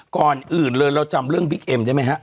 ก่อนอื่นเรเรายังจำเรื่องบิ๊กเอ็มได้มั้ยคะ